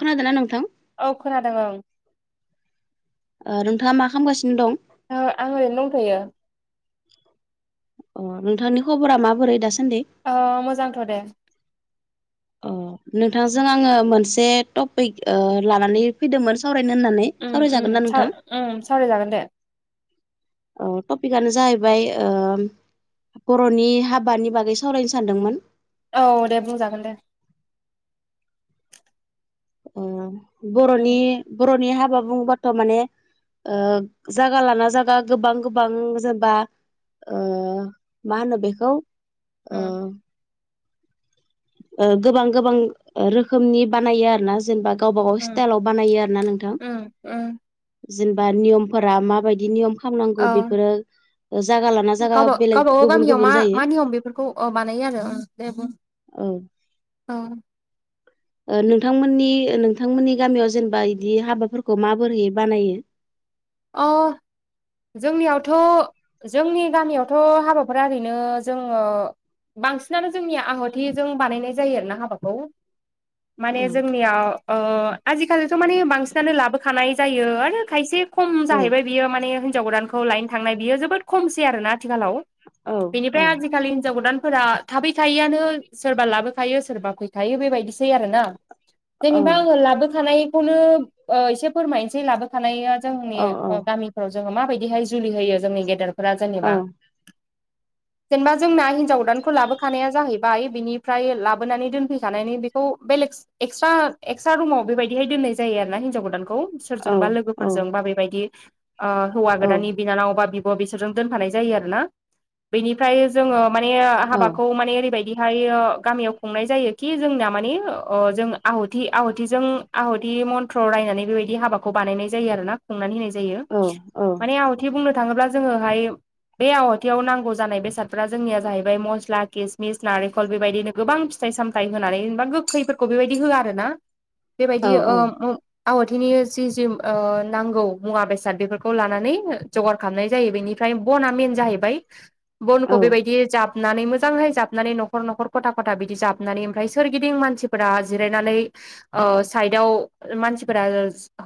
खोनादोना नोंथां? औ खोनादों ओं ओ नोंथाङा मा खालामगासिनो दं? ओ आं ओरैनो दंथायो। अ नोंथांनि खबरा माबोरै दासान्दि? अ मोजांथ' दे। अ नोंथांजों आङो मोनसे टपिक लानानै ओ फैदोमोन सावरायनो होननानै। ओं सावरायजागोन ओं ना नोंथां ओं सावराय जागोन दे। औ टपिकआनो जाहैबाय ओ बर'नि हाबानि बागै सावरायनो सानदोंमोन। औ दे बुंजागोन दे। ओ बर'नि उम बर'नि हाबा बुङोबाथ' माने ओ जायगा लाना जायगा गोबां गोबां जेनबा ओ मा होनो बेखौ ओ उम ओ गोबां गोबां रोखोमनि बानायो आर ना जेनेबा गावबा गाव उम स्टाइलाव बानायो आरोना नोंथां उम उम जेनेबा नियमफोरा मा बायदि नियम औ खामनांगौ बेफोरो जागा लाना जागा गावबा बेलेग गावबागाव गुबुन गामियाव मा गुबुन मा जायो। बेफोरखौ अ बानायो आरो ओं दे बुं औ औ नोंथांमोननि नोंथांमोननि गामियाव जेनेबा इदि हाबाफोरखौ माबोरै होयो बानायो? अ जोंनियावथ' जोंनि गामियावथ' हाबाफोरा ओरैनो जोङो बांसिनानो जोंनिया आहुथिजों बानायनाय जायो आरोना हाबाखौ औ माने जोंनियाव ओ आजिखालिथ' मानिबांसिनानो लाबोखानाय जायो आरो खायसे खम औ जाहैबाय बियो माने हिनजाव गोदानखौ लायनो थांनाय बियो जोबोद खमसै आरो ना आथिखालाव औ औ बेनिफ्राय आजिखालि हिनजाव गोदानफोरा थाबैखायिआनो सोरबा लाबोखायो सोरबा फैखायो बेबायदिसै आरै ना। [inaudible] जेनेबा आङो लाबोखानायखौनो ओ एसे फोरमायनोसै लाबोखानाया जोंनि औ गामिफोराव जोङो माबायदिहाय जुलि होयो जोंनि गेदेरफोरा जेनेबा [inaudible] जेनेबा जोंना हिनजाव गोदानखौ लाबोखानाया जाहैबाय बिनिफ्राय लाबोनानै दोनफैखानानै बेखौ बेलेग एक्सट्रा एक्सट्रा रुमाव बेबायाददिहाय दोननाय जायो आरो ना हिन्जाव गोदानखौ औ सोरजोंबा लोगो औ बा बेबायदि ओ हौवा गोदाननि बिनानाव बा बिब' बिसोरजों दोनफानाय जायो आरो ना बेनि फ्राय जोङो माने औ हाबाखौ माने ओरैबायदि बेहायो गामियाव खुंनाय जायोखि जोंना मानि जों आहुथि आहाथिजों आहुथिदि मन्थ्र रायनानै बेबायदि हाबाखौ बानायनाय जायो आरो ना खुंनानै होनाय जाय। औ औ माने आहु थि बुंनो थाङोब्ला जोङोहाय बे आवाथायाव नांगौ जानाय बेसादफोरारा जोंनिया जाहैबाय मस्ला किसमिस नारेंखल बेबायदिनो गोबां फि फिथाइ सामथाय होनानै जेनेबा गोखैफोरखौ बेबायदि होआ आरो ना। औ बेबायदि औ ओ आवाथिनि जि जि ओ नांगौ मुवा बेसाद बेफोरखौ लानानै जगार खालामनाय जायो बेनिफ्राय बना मेन जाहैबाय बनखौबि बायदि जाप जाबनानै मोजांहाय जाबनानै नखर नखर खथा खथा बिदि जाबनानै ओमफ्राय सोरगिदिं मानसिफोरा जिरायनानै ओ साइदाव मानसिफोरा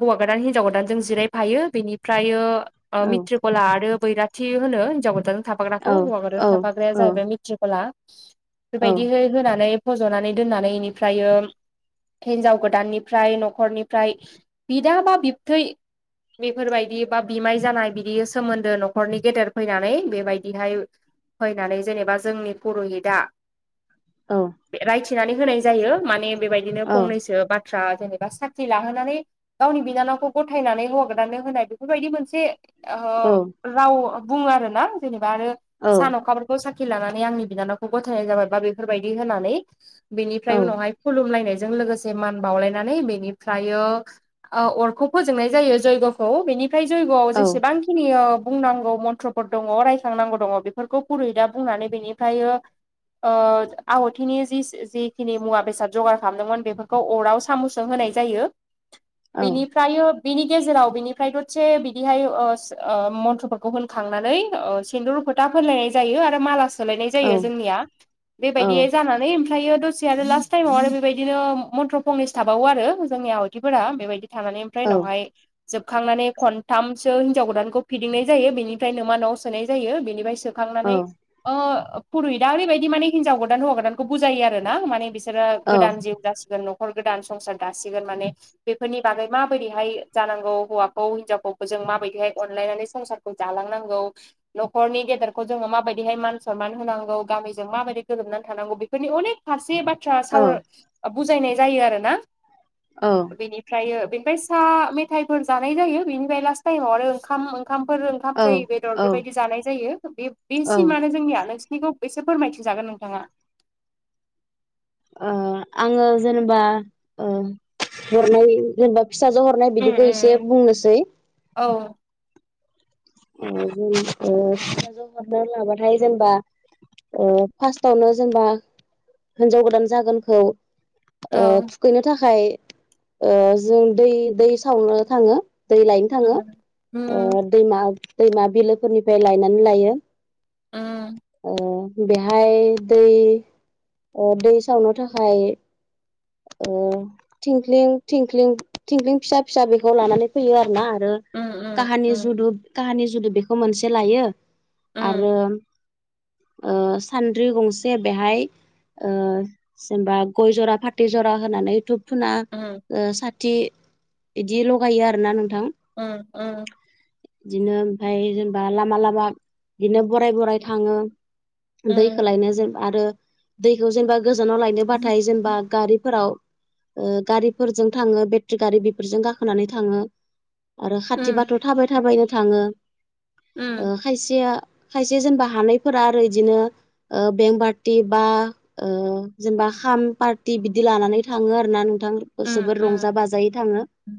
हौवा गोदान हिनजाव गोदान जों जिरायफायो बेनिफ्राय ओ मि कला आरो बैराथि होनो हिनजाव गोदानजों थाफाग्राखौ हौवा गोदानजों थाफाग्राया जाहैबाय मि थिखला बेबायदि होनानै फजनानै दोननानै बेनिफ्रायो हिनजाव गोदाननिफ्राय नखरनिफ्राय बिदा बा बिबथै बेफोरबायदि बा बिमाय जानाय बिदि सोमोन्दो नखरनि गेदेर फैनानै बेबायदिहाय फैनानै जेनेबा जोंनि पुरहितआ औ। रायथिनानै होनाय जायो माने बेबायदिनो फंनैसो बाथ्रा जेनेबा साखि लाहोनानै गावनि बिनानावखौ गथायनानै हौवा गोदाननो होनाय बेफोरबायदि मोनसे ओ राव बुङो आरो ना। जेनेबा आरो सान अखाफोर खौ साखि लानानै आंनि बिनानावखौ गथायनाय जाबाय बा बेफोरबायदि होनानै बेनिफ्राय उनावहाय खुलुमलायनायजों लोगोसे मान बावलायनानै बेनिफ्रायो ओ अरखौ फोजोंनाय जायो जयगखौ बेनिफ्राय जयगआव जेसेबां खिनि ओ बुंनांगौ मन्थ्रफोर दङ रायसांनांगौ दङ बेफोरखौ गुरै दा बुंनानै बेनिफ्रायो ओ आवथिनि जि जिखिनि मुवा बेसाद जगार खालामदोंमोन बेफोरखौ अराव सामुसजों होनाय जायो। बेनिफ्रायो बेनि गेजेराव बिनिफ्राय दसे बिदिहाय ओ ओ मन्थफोरखौ होनखांनानै ओ सन्दुर फोथा फलायनाय जायो आरो माला सोलायनाय जायो जोंनिया। बेबायदि जानानै थायो दसे आरो लास्ट टाइमाव आरो बेबायदिनो मन्थ्र फंनस थाबावो आरो जोंनि आवथिफोरा। बेबायदि थानानै ओमफ्राय उनावहाय जोबखांनानै खनथामसो हिनजाव गोदानखौ फिदिंनाय जायो बेनिफ्रायनो नोमा नआव सोनाय जायो बेनिफ्राय सो खांनानै ओ फुरुहिदा ओरैबायदि माने हिजाव गोदान हौवा गोदानखौ बुजायो आरो ना माने बि सोरो गोदान जिउ जासिगोन नखर गोदान संसार दासिगोन माने बेफोरनि बागै माबायदिहाय जानांगौ हौवाखौ हिनजावखौ जों माबायदिहाय अनलायनानै संसार खौ जालां नांगौ नखरनि गेदेरखौ जोङो माबायदिहाय मान सनमान होनांगौ गामिजों माबायदि गोरोबनानै थानांगौ बे फोरनि अनेक फासे बाथ्रा औ साव बुजायनाय जायो आरो ना। औ। बेनिफ्रायो बेनिफाय सा मेथाइफोर जानाय जायो बेनिफ्रायो लास थायेमाव आरो ओंखाम ओंखामफोर ओंखाम औ दै बेदर औ बेबायदि जानाय जायो। बे औ बेसिमानो जोंनिया नोंसिनिखौ एसे फोरमायथिनजागोन नोंथाङा। ओ आङो जेनेबा ओ हरनाय जेनेबा फिसाजो हर नाय बिदिखौ एसे बुंनोसै। औ। ओ जों ओ फिसाजो हरना लाबाथाय जेनबा ओ फार्स्टआवनो जेनेबा हिन्जाव गोदान जागोनखौ ओ औ थुखैनो थाखाय ओ जों दै दै सावनो थाङो। दै लायनो थाङो ओ उम दैमा दैमा बिलोफोरनिफ्राय लायनानै लायो। उ उ बेहाय दै ओ दै सावनो थाखाय ओ थिंल्खिं थिंख्लिं फिसा फिसा बेखौ लानानै फैयो आरो ना आरो उम काहानि उम जुदु काहानि जुदु बेखौ मोनसे लायो उम आरो ओ सान्द्रि गंसे बेहाय ओ जेनेबा गय जरा फाथ थै जरा होनानै धुप फुना उम साथि बिदि लगायो आर ना नोंथां। ओम ओम। बिदिनो ओमफाय जेनेबा लामा लामा बिदिनो बराय बराय थाङो। दैखौ उम लायनो जेन आरो दैखौ जेनेबा गोजानाव लायनोबाथाय जेनबा गारिफोराव गारिफोरजों थाङो बेट्रि गारि बेफोरजों गाखोनानै थाङो आरो खाथिबाथ' थाबाय थाबायनो थाङो उम खायसे खायसे जेनेबा हानायफोरा आरो बिदिनो ओ बें पार्टि बा ओ जेनेबा खाम पार बिदि लानानै थाङो आरो ना नोंथांखौ उम जोबोर रंजा बाजायै थाङो उम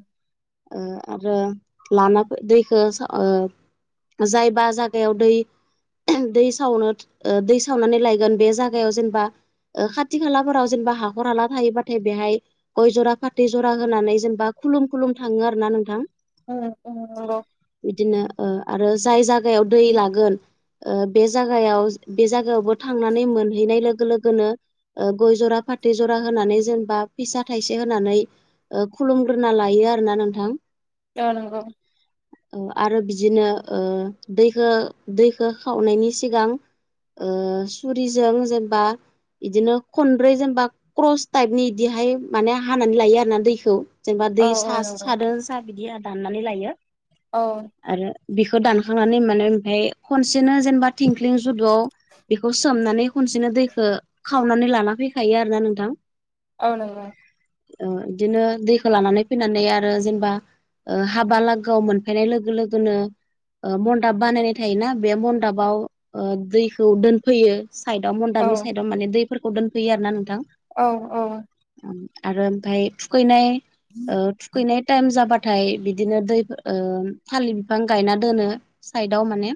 आरो लाना दैखौ ओ जायबा जायागायाव दै दै सावनो ओ दै सावनानै लायगोन बे जागायाव जेनेबा ओ खाथि खालाफोराव जेनेबा हाखर हाला थायोबाथाय बेहाय गय जरा फाथै जरा होनानै जेनेबा खुलुम खुलुम थाङो आरो ना नोंथां [inaudible] ओ बिदिनो ओ आरो जाय जायगायाव दै लागोन ओ बे जगायाव बे जायगायावबो थांनानै मोनहैनाय लोगो लोगोनो ओ गय जरा फाथै जरा होनानै जेनेबा फिसा थाइसे होनानै ओ खुलुमग्रोना लायो आरोना नोंथां ओ नोंगौ [inaudible] ओ आरो बिदिनो ओ दैखौ दैखौ खावनायनि सिगां ओ सुरिजों जेनेबा बिदिनो खनब्रै जेनेबा क्रस टाइपनि बिदिहाय माने हानानै लायो आर ना दैखौ जेनेबा औ दै नंगौ सादोन स बिदि आरो दाननानै लायो औ आरो बिखौ दानखांनानै माने ओमफफ्राय खनसेनो जेनेबा थिंख्लिं जुदुआव बेखौ सोमनानै खनसेनो दैखौ खावनानै लाना फैखायो आरोना नोंथां अ नंगौ ओ बिदिनो दैखौ लानानै फैनानै आरो जेनेबा ओ हाबा लोगोगोआव मोनफैनाय लोगो लोगोनो ओ मनन्दाब बानायनाय थायोना बे मनडाबाव ओ दैखौ दोनफैयो साइडआव औ मडाबनि साइडआव माने दैफोरखौ दोनफैयो आरो ना नोंथां औ औ आरो ओमफाय थुखैनाय ओ थुखैनाय टाइम जाबाथाय नाथाय बिदिनो दै ओ थालिर बिफां गायना दोनो साइदआव माने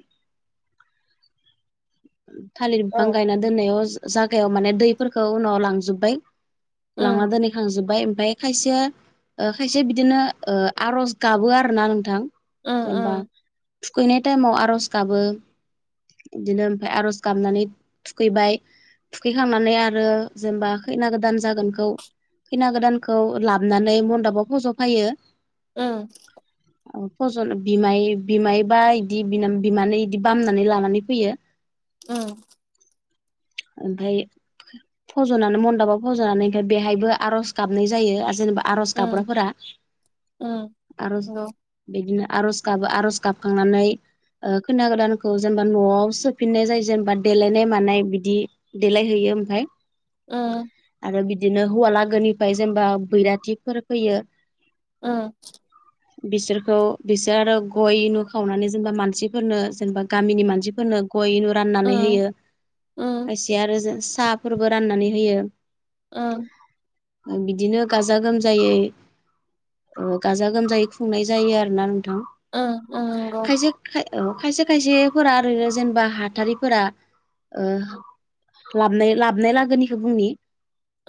[inaudible] थालिर औ बिफां गायना दोननायाव जागायाव माने दैफोरखौ उनाव लांजोब्बाय लांना उम दोनहैखांजोब्बाय ओमफ्राय खायसेया ओ खायसे बिदिनो ओ आर'ज गाबो आर ना नोंथां उम जेनेबा उम थुखैनाय टाइमाव आर'ज गाबो बिदिनो ओमफफ्राय आरज गाबनानै थुखैबाय थुखैखांनानै आरो जेनबा खैना गोदान जागोनखौ खैना गोदानखौ लाबोनानै मन्दाबाव फज'फैयो ओम औ फजन बिमाय बिमायबा इदि बिनाम बिमानै इदि बामनानै लानानै फैयो [inaudible] उम ओमफाय फजनानो मन गाबाव फजनानै ओमफाय बेहायबो आर'ज गाबनाय जायो आरो जेनेबा आर'ज उम गाबग्राफोरा उम आर'ज नंगौ बिदिनो आर'ज गाबो आर'ज गाबखांनानै ओ खोना गोदानखौ जेनबा न'आव सोफिननाय जायो जेनेबा देलायनाय मानाय बिदि देलायहैयो ओमफाय उम ओ बिदिनो हौवा लागोनिफाय जेनबा बैराथिफोर फैयो उम [inaudible] बिसोरखौ बिसा आरो गय उनु खावनानै जेनेबा मानसिफोरनो जेनेबा गामिनि मानसिफोरनो गय उनु राननानै उम होयो उम खायसे आरो साहफोरबो राननानै होयो उम ओ बिदिनो गाजा गोमजायै ओ गाजा गोमजायै खुंनाय जायो आरो ना नोंथां उम उम खायसे खाय औ खायसे खायसेफोरा ओरैनो जेनबा हाथारिफोरा ओह लाबनाय लाबनाय लागोनिखो बुंनि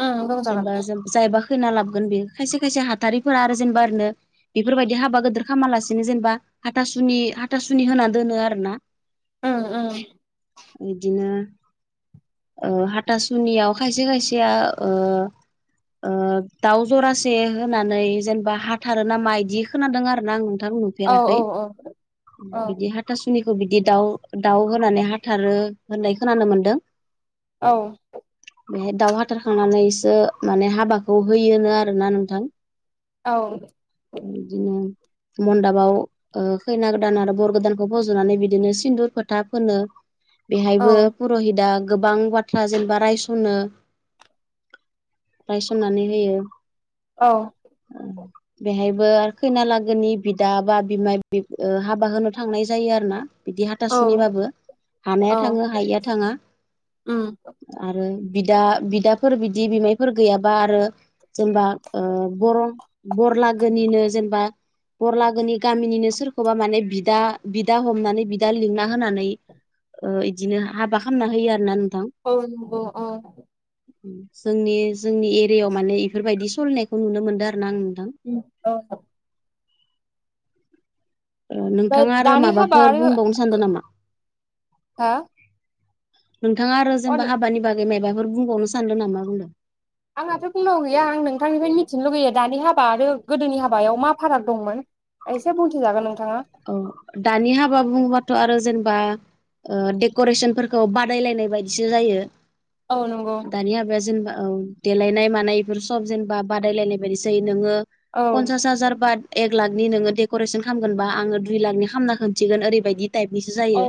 उम जेनबा बुंजागोन जों जायबा खैना लाबगोन बेयो खायसे खायसे हाथारिफोरा आरो जेनबा ओरैनो बेफोरबायदि हाबा गोदोर खामालासिनो जेनबा हाथासुनि हाथासुनि होनना दोनो आरो ना उम उम इदिनो ओ हाथासुनियाव खायसे खायसेया ओह ओ दाउ जरासे होनानै जेनबा हाथारो नामा इदि खोनादों आरो ना आं नोंथां औ फेराखै औ औ बिदि हाथ थासुनिखौ बिदि दाउ दाउ होनानै हाथारो होननाय खोनानो मोन्दों औ बेहाय दाउ हाथारखांनानैसो माने हाबाखौ होयोनो आरोना नोंथां औ इदिनो मन्दाबाव ओ खैना गोदान आरो बर गोदानखौ फज'नानै बिदिनो सिन्दुर फोथा फोनो बेहायबो पुरहिदा गोबां बाथ्रा जेनबा रायस खनो रायसननानै होयो औ [inaudible] बेहायबो आरो खैनालागोनि बिदा बा बिमाय बिब ओ हाबा होनो थांनाय जायो आरो ना बिदि औ हाथासुनिबाबो हानाया औ थाङो हायिया थाङा उम उम बिदा बिदाफोर बिदि बिमायफोर गैयाबा आरो जेनबा ओ बर' बरलागोनिनो जेनबा बरलागोनि गामिनिनो सोरखौबा माने बिदा बिदा हमनानै बिदा लिंना होनानै ओ इदिनो हाबा खामना होयो आरो ना नोंथां औ नोंगौ औ जोंनि जोंनि एरियाव माने इफोरबायदि सलिनायखौ नुनो मोन्दों आरो ना आं नोंथां [unintelligible] ओ नोंथाङा आरो दानि हाबा माबाफोर आरो बुंबावनो सानदो नामा हा नोंथाङा आरो अ जेनेबा हाबानि बागै मायाबाफोर बुंबावनो सानदों नामा बुंदों आंहाथ' बुंनांगौ गैया आं नोंथांनिफ्रायनो मिथिनो लुगैयो दानि हाबा आरो गोदोनि हाबायाव मा फाराग दंमोन एसे बुंथिजागोन नोंथाङा अ दानि हाबा बुङोबाथ' आरो जेनेबा डेक'रेसनफोरखौ बादायलायनाय बायदिसो जायो औ नंगौ दानियाबाजन ब देलायनाय मानाय बेफोर सब जेनेबा बादायलायनाय बायदिसै नोङो औ पन्सास हाजार बा एक लाखनि नोङो देकरेसन खालामगोनबा आङो दुइ लाखनि ख खालामना खोनन्थिगोन ओरैबायदि टाइपनिसो औ जायो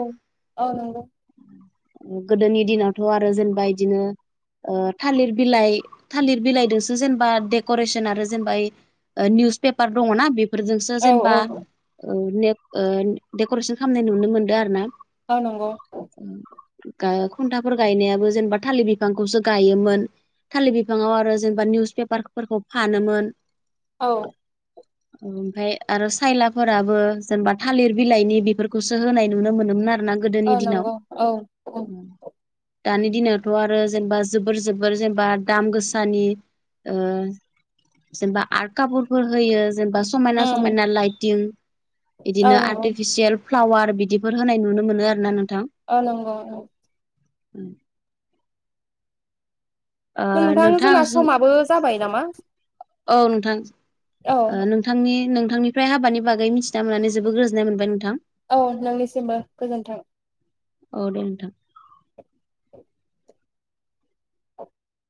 औ नंगौ गोदोनि दिनावथ' आरो जेनेबा इदिनो थालिर बिलाइ थालिर बिलाइदोंसो जेनेबा देक'रेसन आरो जेनेबा निउस पेपार दङना बेफोरजोंसो औ जेनेबा औ औ ने दडेक'रेसन खालामनाय नुनो मोनदों आरो ना औ नोंगौ खन्थाफोर गायनायाबो जेनेबा थालिर बिफांखौसो गायोमोन थालिर बिफाङाव आरो जेनेबा निउस पेपारफोरखौ फानोमोन औ ओमफ्राय आरो सायला फोराबो जेनेबा थालिर बिलाइनि बेफोरखौसो होनाय नुनो मोनोमोन आरो ना गोदोनि औ दिनाव नंगौ औ औ दानि दिनावथ' आरो जेनेबा जोबोर जोबोर जेनेबा दाम गोसानि जेनेबा आर कपुरफोर होयो जेनेबा समायना उम समायना लाइटिं औ बिदिनो नंगौ आर्टिफिसियेल फ्लावार बिदिफोर होनाय नुनो मोनो आरो ना नोंथां औ नंगौ नं उम ओ नोंथां जोंना जों समाबो जाबाय नामा औ नोंथां औ नोंथांनि नोंथांनिफ्राय हाबानि बागै मिथिना मोननानै जोबोद गोजोननाय मोनबाय नोंथां औ नोंनिसिमबो गोजोन्थों औ दे नोंथां [inaudible]